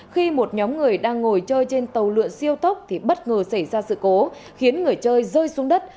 khi một nhóm người đang ngồi chơi trên tàu lượn siêu tốc thì bất ngờ xảy ra sự cố khiến người chơi rơi xuống đất